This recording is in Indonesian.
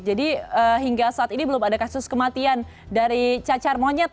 jadi hingga saat ini belum ada kasus kematian dari cacar monyet